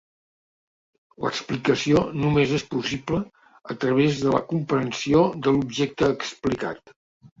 L'explicació només és possible a través de la comprensió de l'objecte explicat.